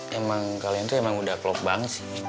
ya emang kalian tuh udah klop bang sih